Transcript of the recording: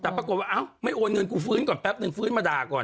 แต่ปรากฏว่าอ้าวไม่โอนเงินกูฟื้นก่อนแป๊บนึงฟื้นมาด่าก่อน